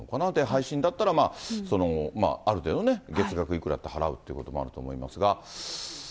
配信だったら、まあ、ある程度ね、月額いくらって払うっていうこともあると思いますが。